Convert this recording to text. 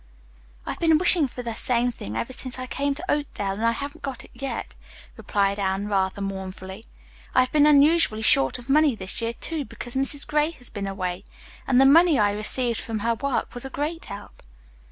"I've been wishing for the same thing ever since I came to Oakdale, and I haven't got it yet," replied Anne rather mournfully. "I've been unusually short of money this year, too, because Mrs. Gray has been away, and the money I received from her work was a great help."